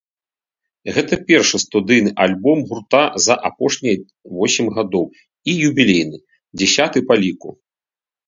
Гэта першы студыйны альбом гурта за апошнія восем гадоў і юбілейны, дзясяты па ліку.